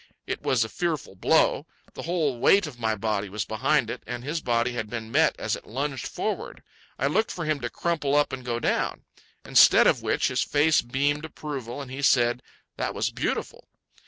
It was a fearful blow. The whole weight of my body was behind it, and his body had been met as it lunged forward. I looked for him to crumple up and go down. Instead of which his face beamed approval, and he said, "That was beautiful."